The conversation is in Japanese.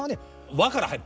「わ」から入る。